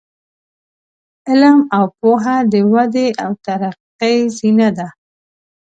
علم او پوهه د ودې او ترقۍ زینه ده.